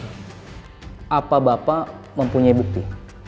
apa bapak mempunyai bukti